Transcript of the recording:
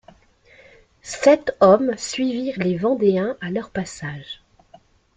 Sept hommes suivirent les Vendéens à leur passage.